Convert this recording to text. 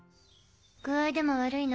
具合でも悪いの？